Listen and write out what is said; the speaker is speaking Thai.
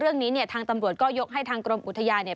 เรื่องนี้เนี่ยทางตำรวจก็ยกให้ทางกรมอุทยานเนี่ย